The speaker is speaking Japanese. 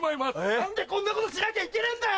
何でこんなことしなきゃいけねえんだよ！